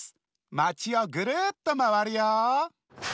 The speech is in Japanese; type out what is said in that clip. まちをぐるっとまわるよ。